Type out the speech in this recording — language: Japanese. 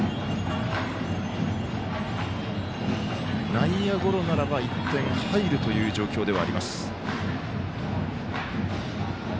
内野ゴロならば１点入るという状況です。